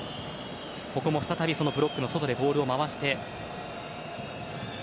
ここも再びブロックの外でボールを回して。